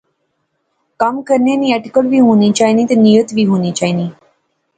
کم کرنے نی اٹکل وہ ہونی چائینی تے نیت وی ہونی چائینی